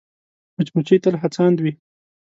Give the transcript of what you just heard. مچمچۍ تل هڅاند وي